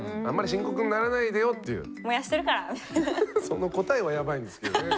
その答えはヤバいんですけどね。